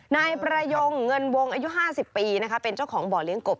นายประยงเงินวงอายุ๕๐ปีนะคะเป็นเจ้าของบ่อเลี้ยงกบ